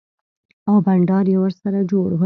او بنډار يې ورسره جوړ و.